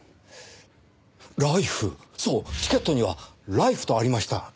そうチケットには「Ｌｉｆｅ」とありました。